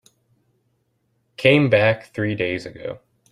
Came back three days ago.